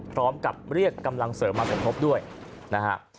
พร้อมกับเรียกกำลังเสริมมาสมทบด้วยนะฮะ